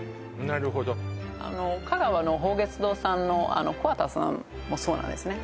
なるほど香川の寳月堂さんの桑田さんもそうなんですね